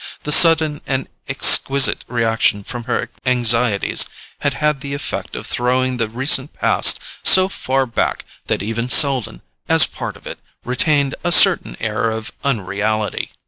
The sudden and exquisite reaction from her anxieties had had the effect of throwing the recent past so far back that even Selden, as part of it, retained a certain air of unreality.